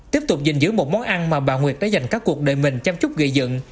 tiếp tục giữ một món ăn mà bà nguyệt đã dành các cuộc đời mình chăm chúc gây dựng